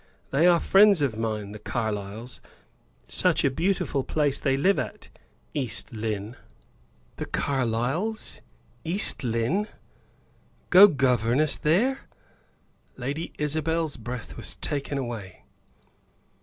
They are friends of mine; the Carlyles; such a beautiful place they live at East Lynne." The Carlyles! East Lynne! Go governess there? Lady Isabel's breath was taken away.